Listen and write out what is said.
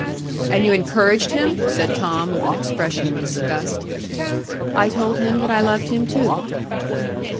"And you encouraged him?" said Tom, with an expression of disgust. "I told him that I loved him too."